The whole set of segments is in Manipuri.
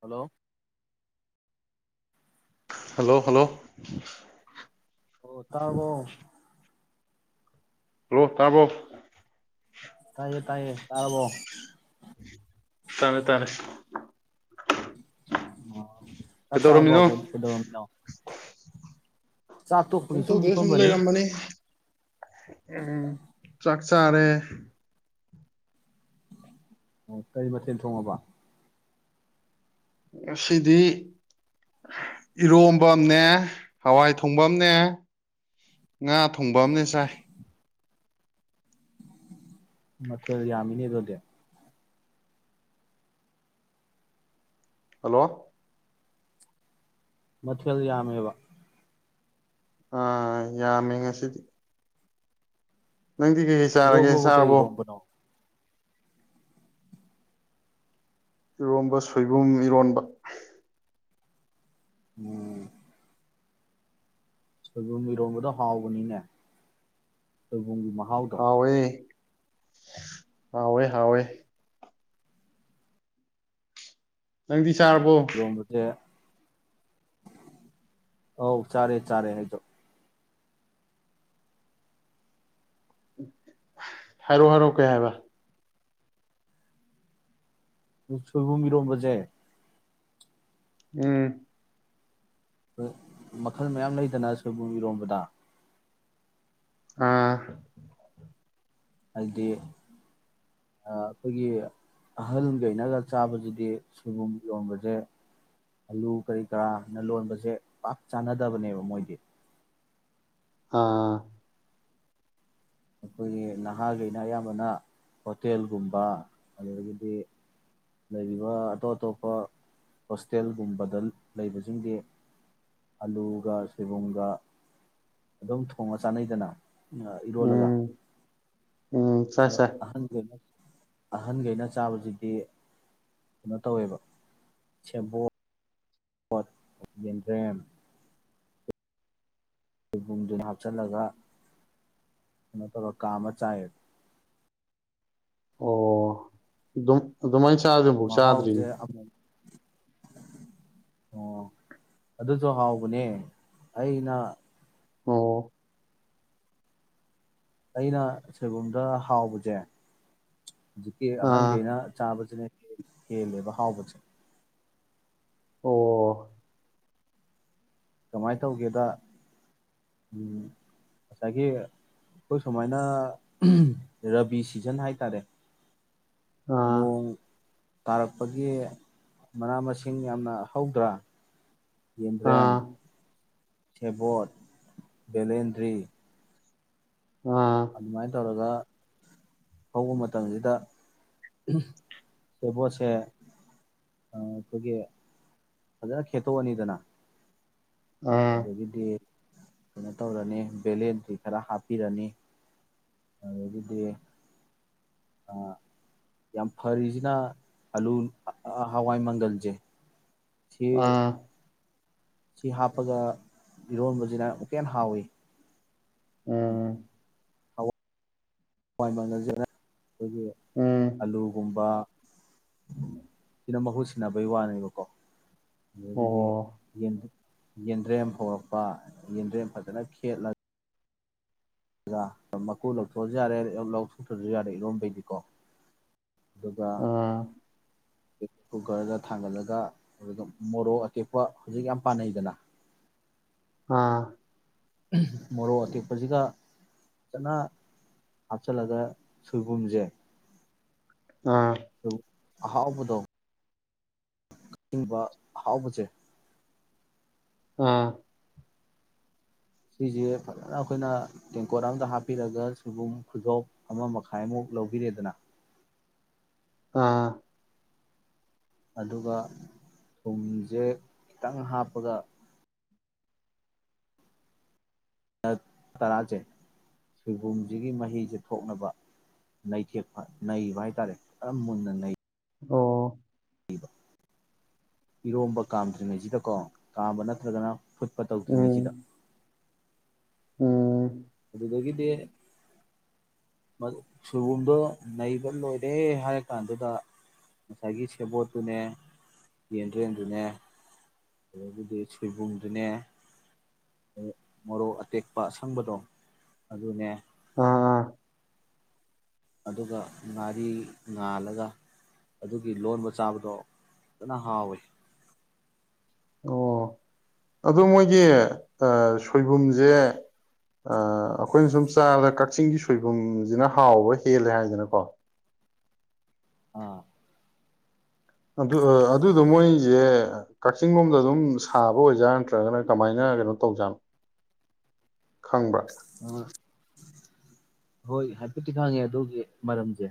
ꯍꯜꯂꯣ ꯍꯜꯂꯣ ꯍꯜꯂꯣ ꯑꯣ ꯇꯥꯕꯣ ꯍꯣ ꯇꯥꯔꯕꯣ ꯇꯥꯏꯌꯦ ꯇꯥꯏꯌꯦ ꯇꯥꯔꯔꯕꯣ ꯇꯔꯦ ꯇꯔꯦ [inaudible] ꯆꯥꯛ ꯆꯔꯥꯕꯣ ꯀꯩꯗꯧꯔꯝꯃꯤꯅꯣ ꯀꯩ ꯀꯩꯗꯧꯔꯝꯃꯤꯅꯣ ꯆꯥꯛ ꯀꯩꯝ ꯇꯣꯛꯄꯒꯤ ꯇꯧꯗꯦ ꯁꯨꯝ ꯍꯤꯞꯄꯝꯕꯅꯤ ꯂꯩꯔꯝꯕꯅꯤ ꯎꯝ ꯆꯥꯛꯆꯥꯥꯔꯦ ꯎ ꯀꯥꯔꯤ ꯃꯊꯦꯜ ꯊꯣꯡꯉꯥꯕ ꯉꯗꯤ ꯏꯔꯣꯝꯕ ꯑꯃꯤꯅꯦ ꯍꯋꯥꯏ ꯊꯣꯡꯕꯥ ꯑꯃꯥꯅꯦ ꯉꯥ ꯊꯣꯡꯕꯥ ꯑꯃꯥꯅꯦ ꯆꯥꯏ ꯃꯊꯦꯜ ꯌꯥꯝꯃꯤꯅꯦ ꯑꯗꯨꯗꯤ ꯍꯜꯂꯣ ꯃꯊꯦꯜ ꯌꯥꯝꯃꯦꯕꯥ ꯑꯥ ꯌꯥꯝꯃꯦ ꯉꯁꯤꯗꯤ ꯅꯪꯗꯤ ꯀꯩꯀꯩ ꯆꯥꯔꯒꯦ ꯏꯔꯣꯝꯕꯕꯨ ꯀꯔꯤ ꯆꯥꯔꯕꯣ ꯏꯔꯣꯝꯕꯅꯣ ꯏꯔꯣꯝꯕ ꯁꯣꯏꯕꯨꯝ ꯏꯔꯣꯟꯕ ꯑ ꯁꯣꯏꯕꯨꯝ ꯏꯔꯣꯟꯕꯗꯣ ꯍꯥꯎꯕꯅꯤꯅꯦ ꯁꯣꯏꯕꯨꯝꯒꯤ ꯃꯍꯥꯎꯗꯣ ꯍꯥꯎ ꯑꯣꯏ ꯍꯋꯦ ꯍꯋꯦ ꯆꯪꯗꯤ ꯆꯔꯔꯕꯣ ꯍꯥꯎ ꯆꯔꯦ ꯆꯔꯦ ꯍꯥꯏꯗ ꯍꯥꯏꯔꯛꯑꯣ ꯍꯥꯏꯔꯛꯑꯣ ꯀꯩ ꯍꯥꯏꯕ꯫ ꯁꯣꯏꯕꯨꯝ ꯏꯔꯣꯝꯕꯖꯦ꯫ ꯎꯝ꯫ [unintelligible] ꯃꯈꯜ ꯃꯌꯥꯝ ꯂꯩꯗꯅ ꯁꯣꯏꯕꯨꯝ ꯏꯔꯣꯝꯕꯗ꯫ ꯑꯥ꯫ ꯍꯥꯏꯗꯤ ꯑꯥ ꯑꯩꯈꯣꯏꯒꯤ ꯑꯍꯜꯈꯩꯅꯒ ꯆꯥꯕꯁꯤꯗꯤ ꯁꯣꯏꯕꯨꯝ ꯏꯔꯣꯝꯕꯖꯦ ꯑꯂꯨ ꯀꯔꯤ ꯀꯔꯥꯅ ꯂꯣꯟꯕꯖꯦ ꯄꯥꯛ ꯆꯥꯅꯗꯕꯅꯦꯕ ꯃꯣꯏꯗꯤ꯫ ꯑꯥ꯫ ꯑꯩꯈꯣꯏꯒꯤ ꯅꯍꯥꯒꯩꯅ ꯑꯌꯥꯝꯕꯅ ꯍꯣꯇꯦꯜꯒꯨꯝꯕ ꯑꯗꯨꯗꯒꯤꯗꯤ ꯂꯩꯔꯤꯕ ꯑꯇꯣꯞ ꯑꯇꯣꯞꯄ ꯍꯣꯁꯇꯦꯜꯒꯨꯝꯕꯗ ꯂꯩꯕꯁꯤꯡꯗꯤ ꯑꯂꯨꯒ ꯁꯣꯏꯕꯨꯝꯒ ꯑꯗꯨꯝ ꯊꯣꯡꯉ ꯆꯥꯟꯅꯩꯗꯅ꯫ ꯑꯥ ꯏꯔꯣꯜꯂꯒ꯫ ꯎꯝ ꯎꯝ ꯆꯥꯏ ꯗꯣ ꯆꯥꯏ ꯑꯍꯟꯒꯩꯅ ꯑꯍꯟꯒꯩꯅ ꯆꯥꯕꯁꯤꯗꯤ ꯀꯩꯅꯣ ꯇꯧꯋꯦꯕ ꯁꯦꯕꯣꯠ ꯌꯦꯟꯗ꯭ꯔꯦꯝ꯫ ꯁꯣꯏꯕꯨꯝꯖꯤꯟ ꯍꯥꯞꯆꯤꯜꯂꯒ ꯀꯩꯅꯣ ꯇꯧꯔ ꯀꯥꯝꯃ ꯆꯥꯏꯌꯦꯕ꯫ ꯑꯣ ꯑꯗꯨꯝ ꯑꯗꯨꯃꯥꯏ ꯆꯥ ꯆꯥꯗ꯭ꯔꯤꯕꯧ ꯆꯥꯗ꯭ꯔꯤ꯫ ꯃꯍꯥꯎꯁꯦ ꯑꯃꯨꯛ ꯑꯣ ꯑꯗꯨꯁꯨ ꯍꯥꯎꯕꯅꯦ ꯑꯩꯅ꯫ ꯑꯣ꯫ ꯑꯩꯅ ꯁꯣꯏꯕꯨꯝꯗ ꯍꯥꯎꯕꯖꯦ꯫ ꯍꯧꯖꯤꯛꯀꯤ ꯑꯥ ꯑꯍꯟꯒꯩꯅ ꯆꯥꯕꯖꯤꯅꯦ꯫ ꯀꯦꯂꯦꯕ ꯍꯥꯎꯕꯁꯦ ꯑꯣ ꯀꯃꯥꯏꯅ ꯇꯧꯒꯦꯗ ꯉꯁꯥꯏꯒꯤ ꯑꯩꯈꯣꯏ ꯁꯨꯃꯥꯏꯅ ꯔꯕꯤ ꯁꯤꯖꯟ ꯍꯥꯏ ꯇꯔꯦ ꯑꯥ ꯃꯣꯡ ꯇꯥꯔꯛꯄꯒꯤ ꯃꯅꯥ ꯃꯁꯤꯡ ꯌꯥꯝꯅ ꯍꯧꯗ꯭ꯔꯥ ꯌꯦꯟꯗꯦꯝ ꯑꯥ ꯁꯦꯕꯣꯠ ꯕꯂꯦꯟꯗ꯭ꯔꯤ ꯑꯥ ꯑꯗꯨ ꯃꯥꯏ ꯇꯧꯔꯒ ꯍꯧꯕ ꯃꯇꯝꯁꯤꯗ ꯁꯦꯕꯣꯠꯁꯦ ꯑꯩꯈꯣꯏꯒꯤ ꯐꯖꯅ ꯈꯦꯠꯇꯣꯛꯑꯅꯤꯗꯅ ꯑꯗꯒꯤꯗꯤ ꯀꯩꯅꯣ ꯇꯧꯔꯅꯤ ꯕꯦꯂꯥꯟꯗꯔ꯭ꯤꯁꯤ ꯈꯔ ꯍꯥꯞꯄꯤꯔꯅꯤ ꯑꯗꯒꯤꯗꯤ ꯌꯥꯝ ꯐꯔꯤꯁꯤꯅ ꯑꯂꯨ ꯍꯋꯥꯏ ꯃꯪꯒꯜꯁꯦ ꯁꯤ ꯑꯥ ꯁꯤ ꯍꯥꯞꯄꯒ ꯏꯔꯣꯟꯕꯁꯤꯅ ꯑꯃꯨꯛꯀ ꯍ ꯍꯥꯎꯋꯤ ꯎꯝꯝ [unintelligible] ꯆꯠꯂꯦ ꯑꯩꯈꯣꯏꯒꯤ ꯎꯝ ꯑꯂꯨꯒꯨꯝꯕ ꯏꯅꯝꯕ [unintelligible] ꯁꯤꯟꯅꯅꯕꯩ ꯋꯥꯅꯦꯕꯀꯣ ꯎꯝ ꯌꯦꯗꯤ ꯑꯣ ꯌꯦ ꯌꯦꯟꯗ꯭ꯔꯦꯝ ꯍꯧꯔꯛꯄ ꯌꯦꯟꯗ꯭ꯔꯦꯝ ꯐꯖꯅ ꯈꯦꯠꯂꯒ ꯃꯀꯨ ꯂꯧꯊꯣꯛꯑꯁꯨ ꯌꯥꯔꯦ ꯂꯧꯊꯨꯡꯊꯁꯨ ꯌꯥꯔꯦ ꯏꯔꯣꯝꯕꯩꯗꯤꯀꯣ ꯑꯗꯨꯒ ꯑꯥ ꯀꯨꯀꯔꯗ ꯊꯥꯡꯒꯠꯂꯒ ꯑꯗꯨꯒ ꯃꯣꯔꯣꯛ ꯑꯇꯦꯛꯄ ꯍꯧꯖꯤꯛ ꯌꯥꯝ ꯄꯥꯅꯩꯗꯅ ꯑꯥ ꯎꯝ ꯃꯣꯔꯣꯛ ꯑꯇꯦꯛꯄꯁꯤꯒ ꯆꯅ ꯍꯥꯞꯆꯤꯜꯂꯒ ꯁꯣꯏꯕꯨꯝꯁꯦ ꯑꯥ ꯍꯥꯎꯗꯣ ꯑꯤꯡꯕ ꯍꯥꯎꯕꯁꯦ ꯑꯥ ꯁꯤꯁꯦ ꯐꯖꯅ ꯑꯩꯈꯣꯏꯅ ꯇꯦꯡꯀꯣꯠ ꯑꯝꯇ ꯍꯥꯞꯄꯤꯔꯒ ꯁꯣꯏꯕꯨꯝ ꯈꯨꯖꯣꯞ ꯑꯃ ꯃꯈꯥꯏꯃꯨꯛ ꯂꯧꯕꯤꯔꯦꯗꯅ ꯑꯥ ꯑꯗꯨꯒ ꯊꯨꯝꯁꯦ ꯈꯤꯇꯪ ꯍꯥꯞꯄꯒ ꯇꯔꯥꯁꯦ ꯁꯣꯏꯕꯨꯝꯁꯤꯒꯤ ꯃꯍꯤꯁꯦ ꯊꯣꯛꯅꯕ ꯅꯩꯊꯦꯛꯄ ꯅꯩꯕ ꯍꯥꯏꯇꯥꯔꯦ ꯀꯔꯝ ꯃꯨꯟꯅ ꯅꯩ ꯑꯣ ꯏꯔꯣꯝꯕ ꯀꯥꯝꯗ꯭ꯔꯤꯉꯩꯁꯤꯗꯀꯣ ꯀꯥꯝꯕ ꯅꯠꯇ꯭ꯔꯒꯅ ꯐꯨꯠꯄ ꯇꯧꯗ꯭ꯔꯤꯉꯩꯁꯤꯗ ꯎꯝ ꯎꯝ ꯑꯗꯨꯗꯒꯤꯗꯤ ꯁꯣꯏꯕꯨꯝꯗꯣ ꯅꯩꯕ ꯂꯣꯏꯔꯦ ꯍꯥꯏꯔ ꯀꯥꯟꯗꯨꯗ ꯉꯁꯥꯏꯒꯤ ꯁꯦꯕꯣꯠꯇꯨꯅꯦ ꯌꯦꯟꯗ꯭ꯔꯦꯝꯗꯨꯅꯦ ꯑꯗꯒꯤꯗꯤ ꯁꯣꯏꯕꯨꯝꯗꯨꯅꯦ ꯃꯣꯔꯣꯛ ꯑꯇꯦꯛꯄ ꯑꯁꯪꯕꯗꯣ ꯑꯗꯨꯅꯦ ꯑꯥ ꯑꯥ ꯑꯗꯨꯒ ꯉꯥꯔꯤ ꯉꯥꯜꯂꯒ ꯑꯗꯨꯒꯤ ꯂꯣꯟꯕ ꯆꯥꯕꯗꯣ ꯐꯖꯅ ꯍꯥꯎꯋꯤ ꯑꯣ ꯑꯗꯨ ꯃꯣꯏꯒꯤ ꯁꯣꯏꯕꯨꯝꯁꯦ ꯑꯩꯈꯣꯏꯅ ꯁꯨꯝ ꯆꯥꯗ ꯀꯛꯆꯤꯡꯒꯤ ꯁꯣꯏꯕꯨꯝꯁꯤꯅ ꯍꯥꯎꯕ ꯍꯦꯜꯂꯦ ꯍꯥꯏꯗꯅꯀꯣ ꯑꯥ ꯑꯗꯨ ꯑꯗꯨꯗꯣ ꯃꯣꯏꯁꯦ ꯀꯛꯆꯤꯡ ꯂꯣꯝꯗ ꯑꯗꯨꯝ ꯁꯥꯕ ꯑꯣꯏꯖꯥꯠꯥ ꯅꯠꯇ꯭ꯔꯒꯅ ꯀꯃꯥꯏꯅ ꯀꯩꯅꯣ ꯇꯧꯖꯥꯠꯅꯣ ꯈꯪꯕ꯭ꯔꯥ ꯑ ꯍꯣꯏ ꯍꯥꯏꯐꯦꯠꯇꯤ ꯈꯪꯉꯦ ꯑꯗꯨꯒꯤ ꯃꯔꯝꯁꯦ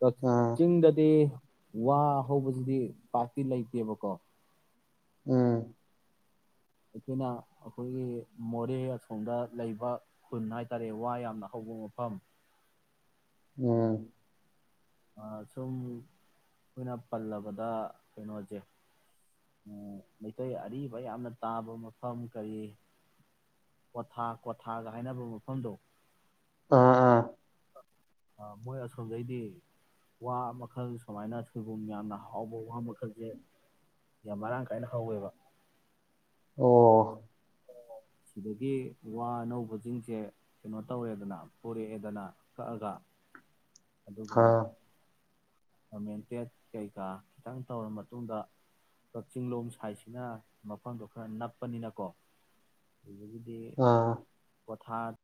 ꯇꯠ ꯎꯝ ꯆꯤꯗꯗꯤ ꯋꯥ ꯍꯧꯕꯁꯤꯗꯤ ꯄꯥꯛꯇꯤ ꯂꯩꯇꯦꯕꯀꯣ ꯎꯝ ꯑꯩꯈꯣꯏꯅ ꯑꯩꯈꯣꯏꯒꯤ ꯃꯣꯔꯦ ꯑꯁꯣꯡꯗ ꯂꯩꯕ ꯈꯨꯟ ꯍꯥꯏꯇꯥꯔꯦ ꯋꯥ ꯌꯥꯝꯅ ꯍꯧꯕ ꯃꯐꯝ ꯎꯝ ꯁꯨꯝ ꯑꯩꯈꯣꯏꯅ ꯄꯜꯂꯕꯗ ꯀꯩꯅꯣꯁꯦ ꯃꯩꯇꯩ ꯑꯔꯤꯕ ꯌꯥꯝꯅ ꯇꯥꯕ ꯃꯐꯝ ꯀꯔꯤ ꯀ꯭ꯋꯥꯊꯥ ꯀ꯭ꯋꯥꯊꯥꯒ ꯍꯥꯏꯅꯕ ꯃꯐꯝꯗꯣ ꯑꯥ ꯑꯥ ꯃꯣꯏ ꯑꯁꯣꯝꯗꯩꯗꯤ ꯋꯥ ꯃꯈꯜ ꯁꯨꯃꯥꯏꯅ ꯁꯣꯏꯕꯨꯝ ꯌꯥꯝꯅ ꯍꯥꯎꯕ ꯋꯥ ꯃꯈꯜꯁꯦ ꯌꯥꯝ ꯃꯔꯥꯡ ꯀꯥꯏꯅ ꯍꯧꯥꯎꯋꯦꯕ ꯑꯣ ꯁꯤꯗꯒꯤ ꯋꯥ ꯑꯅꯧꯕꯁꯤꯡꯁꯦ ꯀꯩꯅꯣ ꯇꯧꯔꯦꯗꯅ ꯄꯨꯣꯔꯛꯑꯦꯗꯅ ꯀꯛꯑꯒ ꯑꯗꯨꯒ ꯑꯥ ꯑꯣꯔꯃꯦꯟꯇꯦꯠ ꯀꯩꯀꯥ ꯈꯤꯇꯪ ꯇꯧꯔꯕ ꯃꯇꯨꯡꯗ ꯀꯛꯆꯤꯡꯂꯣꯡ ꯁꯥꯏꯠꯁꯤꯅ ꯃꯐꯝꯗꯣ ꯈꯔ ꯅꯞꯄꯅꯤꯅꯀꯣ ꯑꯥ ꯊꯥꯠ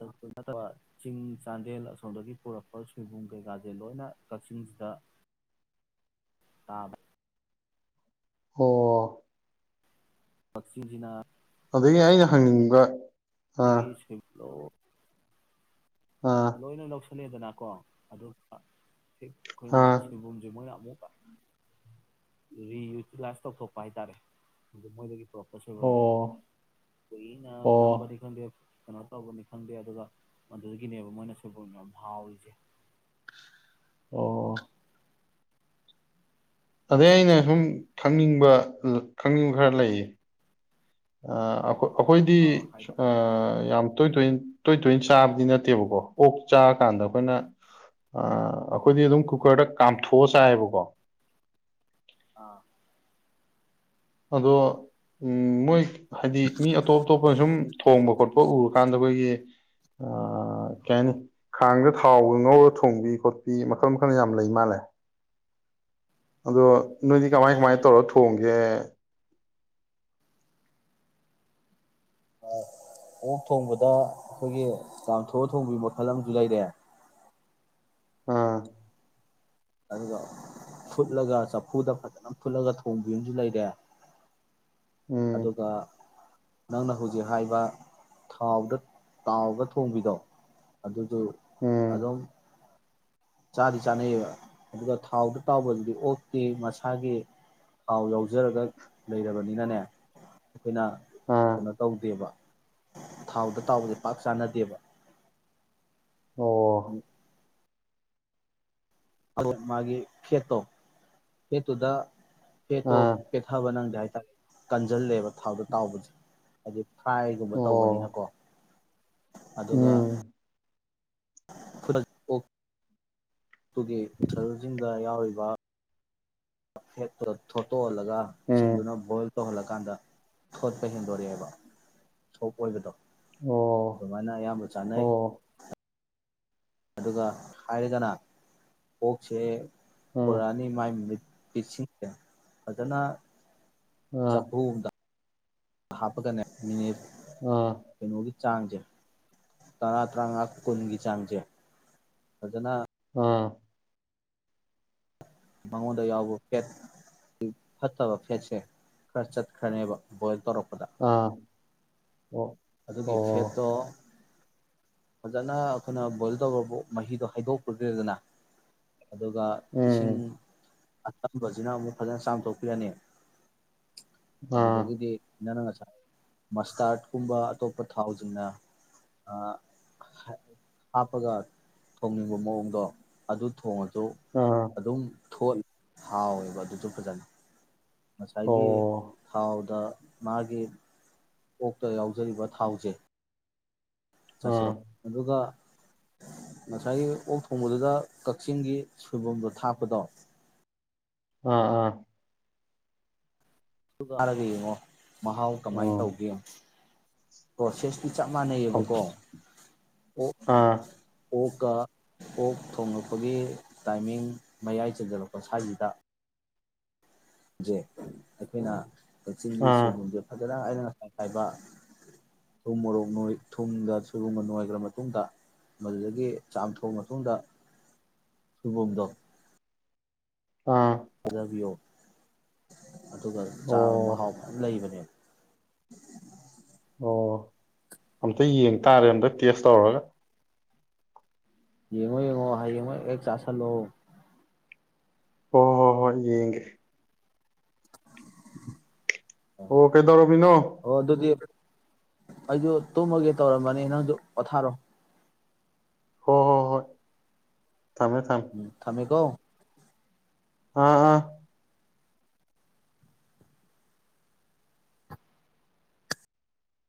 ꯑꯗꯨꯇ ꯅꯠꯇꯕ ꯆꯤꯡ ꯆꯥꯟꯗꯦꯜ ꯑꯁꯣꯝꯗꯒꯤ ꯄꯨꯔꯛꯄ ꯁꯣꯏꯕꯨꯝ ꯀꯩꯀꯥꯁꯦ ꯂꯣꯏꯅ ꯀꯛꯆꯤꯡꯁꯤꯗ ꯑꯥꯕ ꯑꯣ ꯄꯛꯁꯤꯡꯁꯤꯖꯤꯅ ꯑꯗꯒꯤ ꯑꯩꯅ ꯍꯪꯅꯤꯡꯕ ꯑꯥ ꯁꯤꯒꯤ ꯁꯤꯂꯣꯑꯣ ꯑꯥ ꯂꯣꯏꯅ ꯂꯧ ꯈꯜꯂꯗꯅꯀꯣ ꯑꯗꯨꯒ ꯍ ꯑꯩꯈꯣꯏꯅ ꯑꯥ ꯁꯟꯕꯨꯝꯁꯦ ꯃꯣꯏꯅ ꯑꯃꯨꯛ ꯔꯤꯌꯨꯇꯤꯂꯥꯏꯁ ꯇꯧꯊꯣꯛꯄ ꯍꯥꯏꯇꯥꯔꯦ ꯑꯗꯨ ꯃꯣꯏꯗꯒꯤ ꯑꯣ ꯑꯣ ꯅꯝꯕꯝꯕꯔꯅꯤ ꯈꯗ ꯀꯩꯅꯣ ꯇꯒꯅꯤ ꯈꯪꯗꯦ ꯑꯗꯨꯒ ꯑꯗꯨꯗꯒꯤꯅꯦꯕ ꯃꯣꯏꯅ ꯁꯣꯏꯕꯨꯝꯅ ꯍꯥꯎꯔꯤꯁꯦ ꯑꯣ ꯑꯗꯩ ꯑꯩꯅ ꯁꯨꯝ ꯈꯪꯅꯤꯡꯕ ꯈꯪꯅꯤꯡꯕ ꯈꯔ ꯂꯩꯌꯦ ꯑꯈꯣꯏ ꯑꯩꯈꯣꯏꯗꯤ ꯑꯥ ꯍꯥꯏꯔꯣ ꯌꯥꯝ ꯇꯣꯏ ꯇꯣꯏꯅ ꯇꯣꯏ ꯇꯣꯏꯅ ꯆꯥꯕꯗꯤ ꯅꯠꯇꯦꯕꯀꯣ ꯑꯣꯛ ꯆꯥꯔꯀꯥꯟꯗ ꯑꯩꯈꯣꯏꯅ ꯑꯩꯈꯣꯏꯗꯤ ꯑꯗꯨꯝ ꯀꯨꯀꯔꯗ ꯀꯥꯝꯊꯣꯛꯑ ꯆꯥꯏꯌꯦꯕꯀꯣ ꯑꯥ ꯑꯗꯣ ꯎꯝ ꯃꯣꯏ꯫ ꯍꯥꯏꯗꯤ ꯃꯤ ꯑꯇꯣꯞ ꯑꯇꯣꯞꯄꯅ ꯁꯨꯝ ꯊꯣꯡꯕ ꯈꯣꯠ [unintelligible] ꯎꯔꯀꯥꯟꯗ ꯑꯩꯈꯣꯏꯒꯤ ꯑꯥ ꯀꯩ ꯍꯥꯏꯅꯤ ꯈꯥꯡꯗ ꯊꯥꯎꯒ ꯉꯧꯔ ꯊꯣꯡꯕꯤ ꯈꯣꯠꯄꯤ ꯃꯈꯜ ꯃꯈꯜ ꯌꯥꯝ ꯂꯩ ꯃꯥꯜꯂꯦ ꯑꯗꯣ꯫ ꯅꯣꯏꯗꯤ ꯀꯃꯥꯏ ꯂꯩꯕꯅꯦ ꯀꯃꯥꯏ ꯇꯧꯔ ꯊꯣꯡꯒꯦ꯫ ꯑꯥ ꯑꯣꯛ ꯊꯣꯡꯕꯗ ꯑꯩꯈꯣꯏꯒꯤ ꯆꯥꯝꯊꯣꯛꯑ ꯊꯣꯡꯕꯒꯤ ꯃꯈꯜ ꯑꯃꯁꯨ ꯂꯩꯔꯦ꯫ ꯑꯥ ꯑꯗꯨꯒ ꯐꯨꯠꯂꯒ ꯆꯐꯨꯗ ꯐꯖꯅ ꯐꯨꯠꯂꯒ ꯊꯣꯡꯕꯤ ꯑꯃꯁꯨ ꯂꯩꯔꯦ꯫ ꯎꯝ ꯑꯗꯨꯒ꯫ ꯅꯪꯅ ꯍꯧꯖꯤꯛ ꯍꯥꯏꯕ ꯊꯥꯎꯗ ꯇꯥꯎꯒ ꯊꯣꯡꯕꯤꯗꯣ ꯑꯗꯨ꯫ ꯑꯗꯨ ꯎꯝ ꯑꯗꯨꯝ꫰ ꯆꯥꯗꯤ ꯆꯥꯅꯩꯌꯦꯕ ꯑꯗꯨꯒ ꯊꯥꯎꯗ ꯇꯥꯎꯕꯗꯨꯗꯤ ꯑꯣꯛꯇꯤ ꯃꯁꯥꯒꯤ ꯊꯥꯎ ꯌꯥꯎꯖꯩ꯫ ꯌꯥꯎꯖꯔꯒ ꯂꯩꯔꯕꯅꯤꯅꯅꯦ ꯑꯩꯈꯣꯏꯅ ꯑꯥ ꯀꯩꯅꯣ ꯇꯧꯗꯦꯕ ꯊꯥꯎꯗ ꯇꯥꯎꯕꯁꯦ ꯄꯥꯛ ꯆꯥꯅꯗꯦꯕ꯫ ꯑꯣ꯫ ꯑꯗꯨ ꯃꯥꯒꯤ ꯐꯦꯠꯇꯣ ꯐꯦꯠꯇꯨꯗ꯫ ꯐꯦꯠꯇꯣ ꯑꯥ ꯄꯦꯠꯊꯕ ꯅꯪꯗꯦ ꯍꯥꯏ ꯀꯟꯖꯜꯂꯦꯕ ꯊꯥꯎꯗ ꯇꯥꯎꯕꯁꯦ ꯍꯥꯏꯗꯤ꯫ ꯊꯥꯏꯒꯨꯝꯕ ꯑꯣ ꯇꯧꯕꯅꯤꯅꯀꯣ꯫ ꯑꯗꯨꯒ꯫ ꯎꯝ ꯈꯨꯗꯛ ꯛꯣ ꯑꯗꯨꯒꯤ [unintelligible] ꯌꯥꯎꯔꯤꯕ ꯐꯦꯠꯇꯨꯗ ꯊꯣꯠꯇꯣꯛꯍꯜꯂꯒ ꯏꯁꯤꯡꯗꯨꯅ ꯎꯝ ꯕꯣꯏꯜ ꯇꯧꯍꯜꯂꯀꯥꯟꯗ ꯊꯣꯠꯄ ꯍꯦꯟꯗꯣꯔꯛꯑꯦꯕ ꯁꯣꯞ ꯑꯣꯏꯕꯗꯣ ꯑꯣ ꯑꯗꯨꯃꯥꯏꯅ ꯑꯌꯥꯝꯕ ꯆꯥꯅꯩ ꯑꯣ ꯑꯗꯨꯒ ꯍꯥꯏꯔꯒꯅ ꯑꯣꯛꯁꯦ ꯑꯥ ꯄꯨꯔꯛꯑꯅꯤ ꯃꯥꯏ ꯃꯠ ꯄꯤꯁꯁꯤꯡꯁꯦ ꯐꯖꯅ ꯑꯥ ꯆꯐꯨꯑꯝꯗ ꯍꯥꯞꯄꯒꯅꯦ ꯃꯤꯅꯤꯠ ꯑꯥ ꯀꯩꯅꯣꯒꯤ ꯆꯥꯡꯁꯦ ꯇꯔꯥ ꯇꯔꯥꯉꯥ ꯀꯨꯟꯒꯤ ꯆꯥꯡꯁꯦ ꯐꯖꯅ ꯑꯥ ꯃꯉꯣꯟꯗ ꯌꯥꯎꯕ ꯐꯦꯠ ꯐꯠꯇꯕ ꯐꯦꯠꯁꯦ ꯈꯔ ꯆꯠꯈ꯭ꯔꯅꯦꯕ ꯕꯣꯏꯜ ꯇꯧꯔꯛꯄ ꯑꯥ ꯑꯣ ꯑꯗꯨꯒꯤ ꯑꯣ ꯐꯦꯠꯇꯣ ꯐꯖꯅ ꯑꯩꯈꯣꯏꯅ ꯕꯣꯏꯜ ꯇꯧꯕꯕꯨ ꯃꯍꯤꯗꯣ ꯍꯩꯗꯣꯛꯄ꯭ꯔꯤꯗ꯭ꯔꯦꯗꯅ ꯑꯗꯨꯒ ꯎꯝ ꯏꯁꯤꯡ ꯑꯆꯝꯕꯁꯤꯅ ꯑꯃꯨꯛ ꯐꯖꯅ ꯆꯥꯝꯊꯣꯛꯄꯤꯔꯅꯤ ꯑꯗꯨꯗꯒꯤꯗꯤ ꯅꯪꯪꯅ ꯉꯁꯥꯏ ꯃꯁꯇ꯭ꯔꯥꯗ ꯀꯨꯝꯕ ꯑꯇꯣꯞꯄ ꯊꯥꯎꯁꯤꯡꯅ ꯍꯥꯞꯄꯒ ꯊꯣꯡꯅꯤꯡꯕ ꯃꯑꯣꯡꯗꯣ ꯑꯗꯨ ꯊꯣꯡꯉꯒ ꯗꯨ ꯑꯗꯨꯝ ꯊꯣꯠꯂ ꯍꯥꯎꯋꯦꯕ ꯑꯗꯨꯁꯨ ꯐꯖꯅ ꯉꯁꯥꯏꯒꯤ ꯊꯥꯎꯗ ꯃꯥꯒꯤ ꯑꯣꯛꯇ ꯌꯥꯎꯖꯔꯤꯕ ꯊꯥꯎꯁꯦ ꯆꯠ [unintelligible] ꯑꯗꯨꯒ ꯉꯁꯥꯏꯒꯤ ꯑꯣꯛ ꯊꯣꯡꯕꯗꯨꯗ ꯀꯛꯆꯤꯡꯒꯤ ꯁꯣꯏꯕꯨꯝꯗꯣ ꯊꯥꯛꯄꯗꯣ ꯑꯥ ꯑꯥ ꯆꯥꯔꯒ ꯌꯦꯡꯉꯣ ꯃꯍꯥꯎ ꯀꯃꯥꯏ ꯇꯧꯒꯦ ꯀꯁꯤꯁ ꯆꯞ ꯃꯥꯟꯅꯩꯌꯦꯕꯀꯣ ꯑꯣ ꯑꯣ ꯑꯗꯨꯒ ꯑꯣꯛ ꯊꯣꯡꯂꯛꯄꯒꯤ ꯇꯥꯏꯃꯤꯡ ꯃꯌꯥꯏ ꯆꯟꯖꯔꯛꯄ ꯁ꯭ꯋꯥꯏꯁꯤꯗ ꯖꯦ ꯑꯩꯈꯣꯏꯅ ꯀ ꯆꯤꯡꯒꯤ ꯁꯣꯏꯕꯨꯝꯁꯦ ꯐꯖꯅ ꯈꯤꯇꯪ ꯑꯩꯅ ꯉꯁꯥꯏ ꯈꯥꯏꯕ ꯊꯨꯝ ꯃꯣꯔꯣꯛ ꯊꯨꯝꯗ ꯁꯣꯏꯕꯨꯝꯒ ꯅꯣꯏꯈ꯭ꯔ ꯃꯇꯨꯡꯗ ꯃꯗꯨꯗꯒꯤ ꯆꯥꯝꯊꯣꯛꯑ ꯃꯇꯨꯡꯗ ꯁꯣꯏꯕꯨꯝꯗꯣ ꯑꯗꯨꯕꯤꯌꯣ ꯑꯗꯨꯒ ꯆꯥꯕ ꯃꯍꯥꯎ ꯐ ꯂꯩꯕꯅꯦꯕ ꯑꯣ ꯑꯝꯇ ꯌꯦꯡ ꯇꯥꯔꯦ ꯑꯝꯇ ꯇꯦꯁ ꯇꯧꯔꯒ ꯌꯦꯡꯉꯣ ꯌꯦꯡꯉꯣ ꯍꯥꯏ ꯌꯦꯡꯉꯣ ꯑꯦ ꯆꯥꯥꯁꯜꯂꯣ ꯍꯣꯏ ꯍꯣ ꯍꯣꯏ ꯌꯦꯡꯒꯦ ꯑꯣ ꯀꯩꯗꯧꯔꯣꯄꯤꯅꯣ ꯑꯩꯗꯨ ꯇꯨꯝꯃꯒꯦ ꯇꯧꯔꯝꯕꯅꯤ ꯅꯪꯗꯨ ꯄꯣꯊꯥꯔꯣ ꯍꯣꯏ ꯍꯣꯏ ꯍꯣꯏ ꯊꯝꯃꯦ ꯊꯝꯃꯦ ꯀ [unintelligible] ꯑꯥ ꯑꯥ